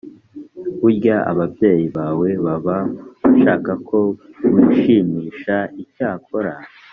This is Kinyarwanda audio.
burya ababyeyi bawe baba bashaka ko wishimisha icyakora